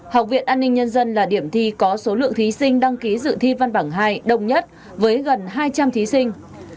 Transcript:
học viện an ninh nhân dân là điểm thi có số lượng thí sinh đăng ký dự thi văn bảng hai đông nhất với gần hai trăm linh thí sinh